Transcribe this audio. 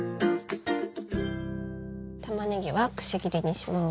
たまねぎはくし切りにします。